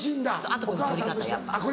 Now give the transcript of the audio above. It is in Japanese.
あとこの取り方やっぱ。